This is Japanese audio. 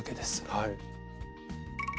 はい。